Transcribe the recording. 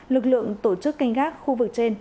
lực lượng tổ chức canh gác khu vực trên